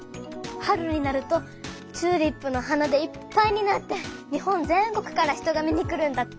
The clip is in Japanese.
春になるとチューリップの花でいっぱいになって日本全国から人が見に来るんだって。